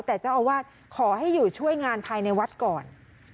เพราะแต่เจ้อาวาสขอให้อยู่ช่วยงานใครในวัดก่อน